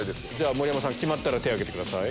盛山さん決まったら手上げてください。